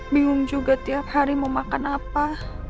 bingung juga tiap hari mau makan apa